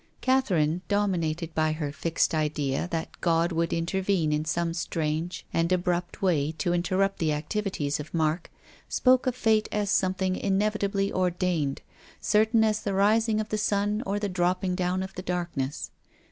Catherine, dominated by her fixed idea that God would intervene in some strange and abrupt way to interrupt the activities of Mark, spoke of Fate as something in evitably ordained, certain as the rising of the sun or the dropping down of the darkness.